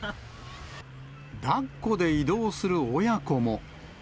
だっこで移動する親子も。